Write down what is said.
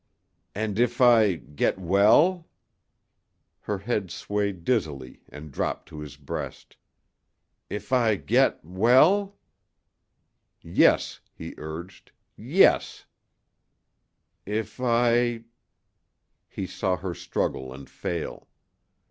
"And if I get well " Her head swayed dizzily and dropped to his breast. "If I get well " "Yes," he urged. "Yes " "If I " He saw her struggle and fail.